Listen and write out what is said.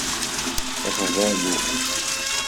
Ɣbalu